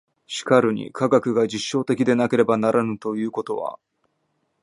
しかるに科学が実証的でなければならぬということは、